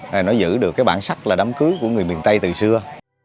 để nó giữ được cái bản sắc là đám cưới của người miền tây từ xưa